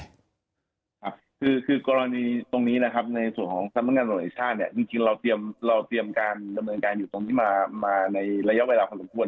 ครับคือกรณีตรงนี้นะครับในส่วนของสำนักงานตำรวจแห่งชาติเนี่ยจริงเราเตรียมเราเตรียมการดำเนินการอยู่ตรงนี้มาในระยะเวลาพอสมควร